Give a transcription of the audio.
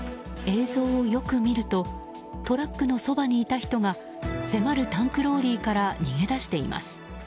映像をよく見るとトラックのそばにいた人が迫るタンクローリーから逃げ出しています。